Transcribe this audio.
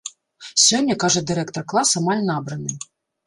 Сёння, кажа дырэктар, клас амаль набраны.